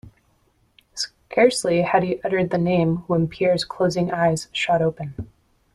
Scarcely had he uttered the name when Pierre's closing eyes shot open.